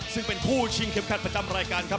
ซึ่งเป็นคู่ชิงคลิปคันประจำรายการครับ